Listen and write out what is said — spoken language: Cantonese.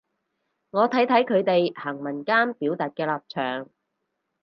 我睇睇佢哋行文間表達嘅立場